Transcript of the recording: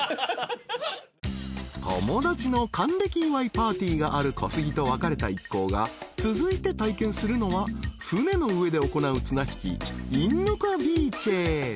［友達の還暦祝いパーティーがある小杉と別れた一行が続いて体験するのは船の上で行う綱引きいんぬくゎびーちぇー］